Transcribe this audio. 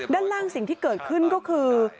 ด้านล่างสิ่งที่เกิดขึ้นก็คือ